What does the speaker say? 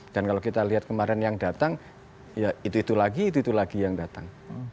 dan kalau kita lihat kemarin yang datang ya itu itu lagi itu itu lagi yang datang